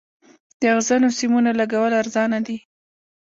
د اغزنو سیمونو لګول ارزانه دي؟